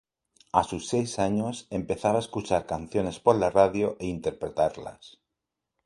A sus seis años, empezaba a escuchar canciones por la radio e interpretarlas.